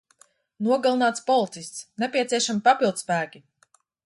Nogalināts policists. Nepieciešami papildspēki.